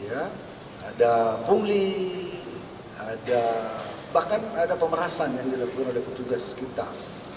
ada pungli ada bahkan ada pemerasan yang dilakukan oleh petugas sekitar